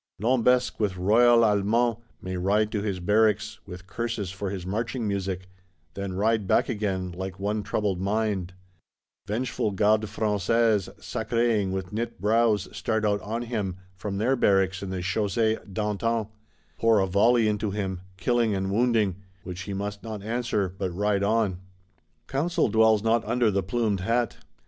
Lambesc with Royal Allemand may ride to his barracks, with curses for his marching music; then ride back again, like one troubled in mind: vengeful Gardes Françaises, _sacre_ing, with knit brows, start out on him, from their barracks in the Chaussé d'Antin; pour a volley into him (killing and wounding); which he must not answer, but ride on. Counsel dwells not under the plumed hat.